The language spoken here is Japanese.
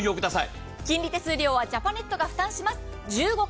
金利手数料はジャパネットが負担します。